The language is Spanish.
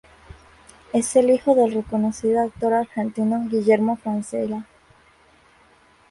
Es hijo del reconocido actor argentino Guillermo Francella.